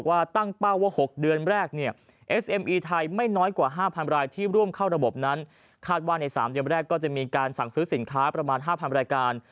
เว็บแรกก็จะมีการสั่งซื้อสินค้าประมาณ๕๐๐๐บริการ